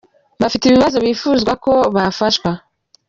bafite ibibazo bifuza ko bafashwa.